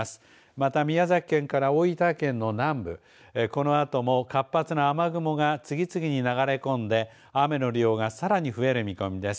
また、宮崎県から大分県の南部このあとも活発な雨雲が次々に流れ込んで雨の量がさらに増える見込みです。